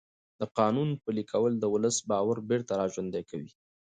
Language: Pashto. د قانون پلي کول د ولس باور بېرته راژوندی کوي